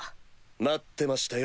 待ってましたよ